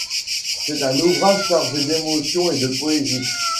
C’est un ouvrage chargé d’émotion et de poésie.